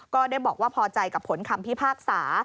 ก็ได้บอกว่าพอใจกับผลคำพิพากษา